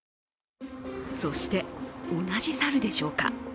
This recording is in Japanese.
そして、同じ猿でしょうか。